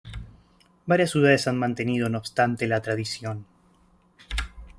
Varias ciudades han mantenido no obstante la tradición.